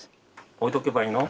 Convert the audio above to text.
置いとけばいいの？